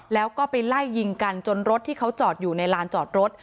แล้วก็ไปไล่ยิงกันจนรถที่เขาจอดอยู่ในลานจอดรถ